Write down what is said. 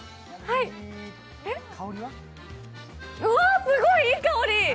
うわっ、すごいいい香り。